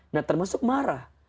nah termasuk marah